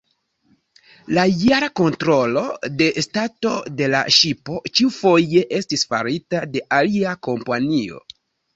La jara kontrolo de stato de la ŝipo ĉiufoje estis farita de alia kompanio.